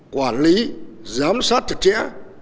quản lý giám sát thật chẽ